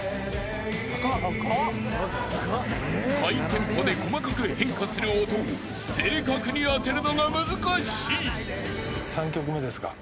［ハイテンポで細かく変化する音を正確に当てるのが難しい］